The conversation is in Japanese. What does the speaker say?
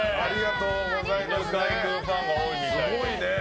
犬飼君ファンが多いみたいです。